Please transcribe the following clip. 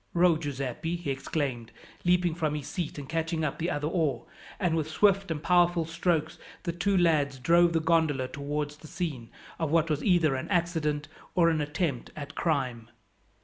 "Row, Giuseppi!" he exclaimed, leaping from his seat and catching up the other oar; and with swift and powerful strokes the two lads drove the gondola towards the scene of what was either an accident, or an attempt at crime.